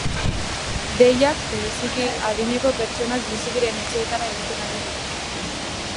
Deiak, bereziki, adineko pertsonak bizi diren etxeetara egiten ari dira.